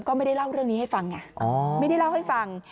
ก็ไม่ได้เล่าเรื่องนี้ให้ฟังไงไม่ได้เล่าให้ฟัง